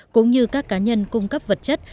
cũng như các cá nhân cung cấp vật chất